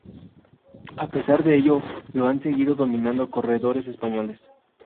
A pesar de ello la han seguido dominando corredores españoles.